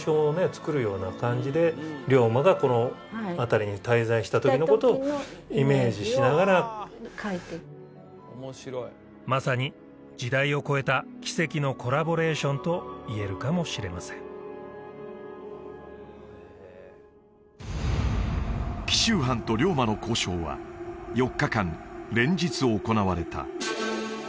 作るような感じで龍馬がこの辺りに滞在したときのことをイメージしながらイメージを描いてまさに時代を超えた奇跡のコラボレーションといえるかもしれません紀州藩と龍馬の交渉は４日間連日行われた